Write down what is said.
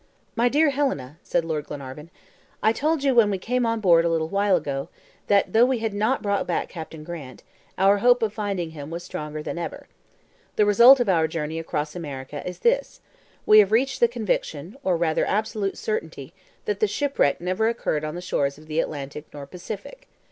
"My dear Helena," said Lord Glenarvan, "I told you, when we came on board a little while ago, that though we had not brought back Captain Grant, our hope of finding him was stronger than ever. The result of our journey across America is this: We have reached the conviction, or rather absolute certainty, that the shipwreck never occurred on the shores of the Atlantic nor Pacific.